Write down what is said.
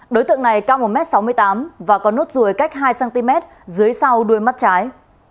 đối tượng này cao một m sáu mươi tám và có nốt ruồi cách hai cm dưới sau đuôi mắt trái